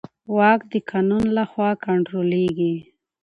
واک د قانون له خوا کنټرولېږي.